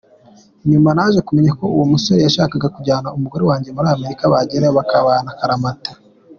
Nyuma naje kumenyako uwo musore yashakaga kujyana umugore wanjye muri Amerika bagerayo bakibanira akaramata.